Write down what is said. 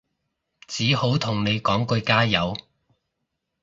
只好同你講句加油